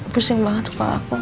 pusing banget kepala aku